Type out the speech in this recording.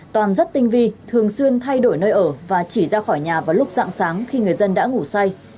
toàn rất tinh vi thường xuyên thay đổi nơi ở và chỉ ra khỏi nhà vào lúc dạng sáng khi người dân đã ngủ say